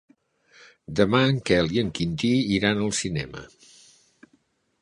Demà en Quel i en Quintí iran al cinema.